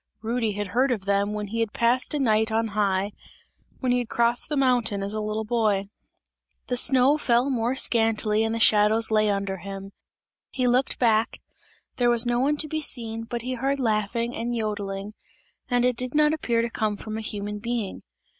Rudy had heard of them, when he had passed a night on high; when he had crossed the mountain, as a little boy. The snow fell more scantily and the shadows lay under him; he looked back, there was no one to be seen, but he heard laughing and jodling and it did not appear to come from a human being.